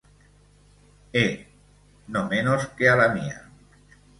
E., no menos que a la mía.